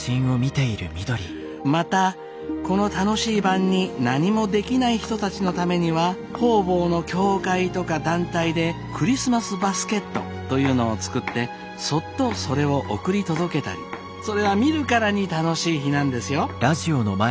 またこの楽しい晩に何もできない人たちのためには方々の教会とか団体でクリスマスバスケットというのを作ってそっとそれを送り届けたりそれは見るからに楽しい日なんですよ。